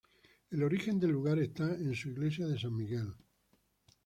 El origen del lugar está en su iglesia de San Miguel.